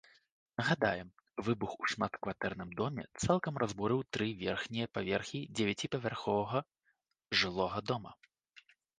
Нагадаем, выбух у шматкватэрным доме цалкам разбурыў тры верхнія паверхі дзевяціпавярховага жылога дома.